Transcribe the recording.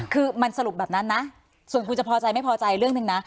คือมันสรุปแบบนั้นนะส่วนคุณจะพอใจไม่พอใจเรื่องหนึ่งนะ